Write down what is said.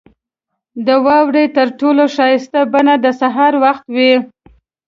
• د واورې تر ټولو ښایسته بڼه د سهار وخت وي.